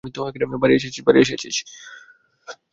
বাড়ি এসেছিস?